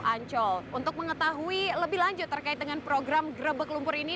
ancol untuk mengetahui lebih lanjut terkait dengan program grebek lumpur ini